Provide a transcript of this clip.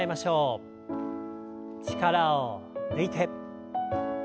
力を抜いて。